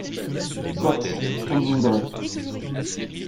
Soit! Comme vous voudrez !